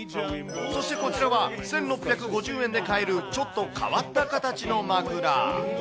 そしてこちらは、１６５０円で買える、ちょっと変わった形の枕。